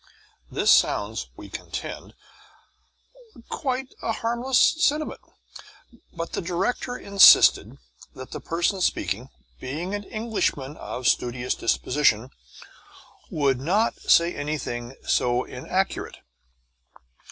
This sounds (we contend) quite a harmless sentiment, but the director insisted that the person speaking, being an Englishman of studious disposition, would not say anything so inaccurate.